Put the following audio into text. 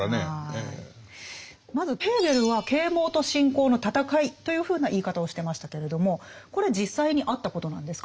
まずヘーゲルは「啓蒙と信仰の戦い」というふうな言い方をしてましたけれどもこれ実際にあったことなんですか？